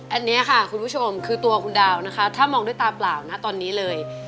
อันนี้ค่ะคุณผู้ชมคือตัวคุณดาวนะคะถ้ามองด้วยตาเปล่านะตอนนี้เลย